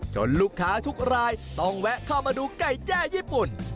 ลูกค้าทุกรายต้องแวะเข้ามาดูไก่แจ้ญี่ปุ่น